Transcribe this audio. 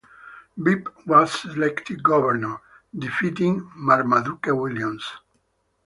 Bibb was elected governor, defeating Marmaduke Williams.